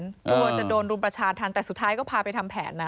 กลัวจะโดนรุมประชาธรรมแต่สุดท้ายก็พาไปทำแผนนะ